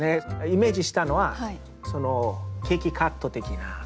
イメージしたのはそのケーキカット的な。お！